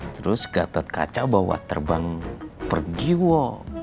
terus gatotkaca bawa terbang pergi wo